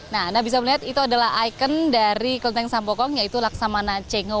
nah anda bisa melihat itu adalah ikon dari kelenteng sampokong yaitu laksamana cengho